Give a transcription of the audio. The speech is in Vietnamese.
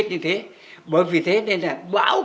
để ra cố cho như thế mỗi một cụm này sẽ có một hệ thống gấp mộng